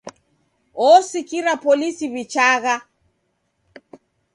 Osikira polisi w'ichagha.